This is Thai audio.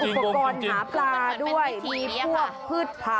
อุปกรณ์หาปลาด้วยมีพวกพืชผัก